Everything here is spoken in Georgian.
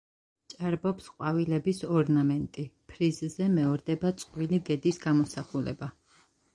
ჭარბობს ყვავილების ორნამენტი, ფრიზზე მეორდება წყვილი გედის გამოსახულება.